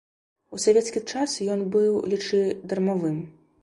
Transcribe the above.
У савецкі час ён быў, лічы, дармавым.